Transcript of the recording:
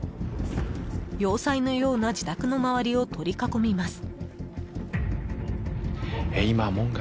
要塞のような自宅の周りを取り囲みます。